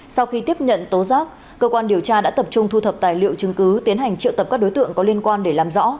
sau khi tiếp nhận tố giác cơ quan điều tra đã tập trung thu thập tài liệu chứng cứ tiến hành triệu tập các đối tượng có liên quan để làm rõ